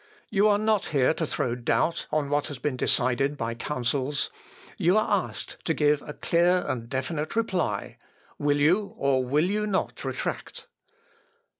You are not here to throw doubt on what has been decided by Councils. You are asked to give a clear and definite reply. Will you, or will you not retract?"